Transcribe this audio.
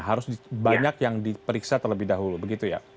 harus banyak yang diperiksa terlebih dahulu